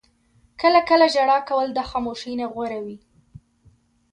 • کله کله ژړا کول د خاموشۍ نه غوره وي.